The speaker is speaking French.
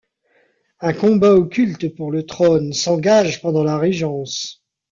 Un combat occulte pour le trône s'engage pendant la régence.